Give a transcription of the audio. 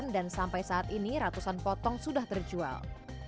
dan sampai saat ini ratusan potong sudah terjual